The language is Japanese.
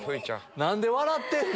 何で笑ってんの？